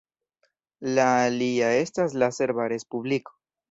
La alia estas la Serba Respubliko.